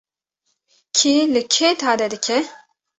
Kî li kê tade dike?